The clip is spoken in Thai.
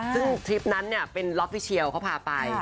ซึ่งทริปนั้นเนี่ยเป็นรอฟฟิเชียวเค้าพาไป